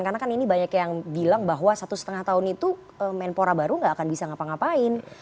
karena kan ini banyak yang bilang bahwa satu setengah tahun itu kemenpora baru gak akan bisa ngapa ngapain